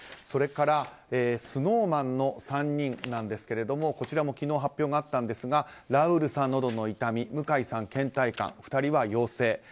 それからＳｎｏｗＭａｎの３人ですがこちらも昨日発表があったんですがラウールさん、のどの痛み向井さん、倦怠感２人は陽性。